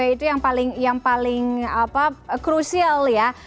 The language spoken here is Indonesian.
itu yang paling krusial ya